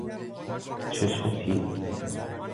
چشم تیز